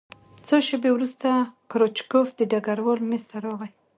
څو شېبې وروسته کروچکوف د ډګروال مېز ته راغی